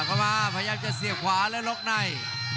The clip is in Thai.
พยายามจะเสียบขวาและล็อกใน